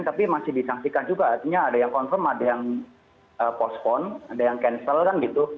tapi masih disaksikan juga artinya ada yang confirm ada yang postpone ada yang cancel kan gitu